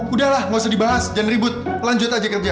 udah lah gak usah dibahas jangan ribut lanjut aja kerja